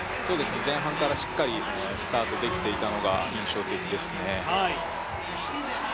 前半からしっかりスタートできていたのが印象的ですね。